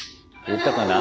言ったかな？